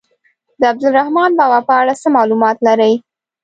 د عبدالرحمان بابا په اړه څه معلومات لرئ.